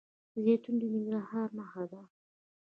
زیتون د ننګرهار نښه ده.